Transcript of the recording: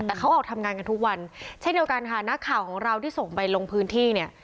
แต่เขาออกทำงานกันทุกวันเช่นเดียวกันค่ะนักข่าวของเราที่ส่งไปลงพื้นที่เนี่ย